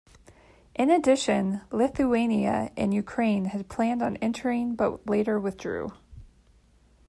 In addition, Lithuania and Ukraine had planned on entering but later withdrew.